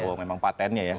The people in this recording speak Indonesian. oh memang patennya ya